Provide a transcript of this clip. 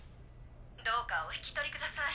どうかお引き取りください。